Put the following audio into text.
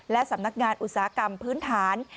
และสำนักงานอุตสาหกรรมพื้นฐาน